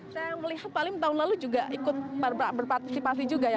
saya melihat pak alim tahun lalu juga ikut berpartisipasi juga ya